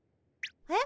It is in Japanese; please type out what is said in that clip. え？